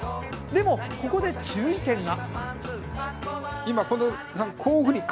でも、ここで注意点が。